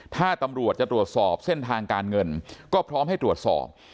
ถ้าตำรวจจะตรวจสอบเส้นทางการเงินก็พร้อมให้ตรวจสอบ